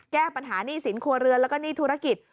แก้ปัญหาหนี้สินครัวเรือนแล้วก็หนี้ธุรกิจ